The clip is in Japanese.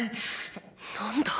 何だ？